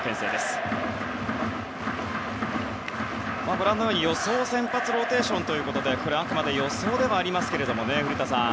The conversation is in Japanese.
ご覧のように、予想先発ローテーションということであくまで予想ですが、古田さん。